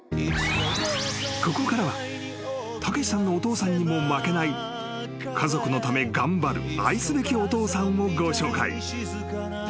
［ここからはたけしさんのお父さんにも負けない家族のため頑張る愛すべきお父さんをご紹介］